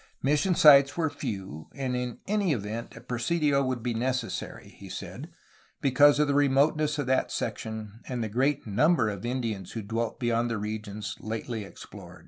Mission sites were few, and in any event a presidio would be necessary, he said, because of the remoteness of that section and the great number of Indians who dwelt beyond the regions lately explored.